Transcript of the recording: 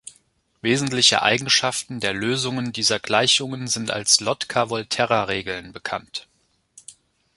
Wesentliche Eigenschaften der Lösungen dieser Gleichungen sind als Lotka-Volterra-Regeln bekannt.